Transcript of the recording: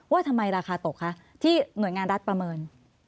ว่าทำไมราคาตกคะที่หน่วยงานรัฐประเมิน